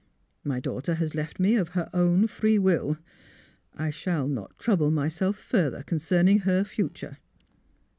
My daughter has left me of her own free will. I shall not — trouble myself further concerning her future."